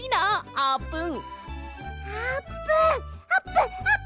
あーぷん！